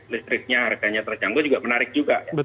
listriknya harganya terjangkau juga menarik juga